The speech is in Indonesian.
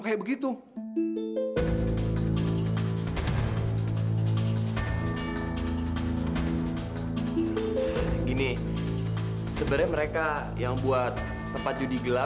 mamam yang banyak ya finn ya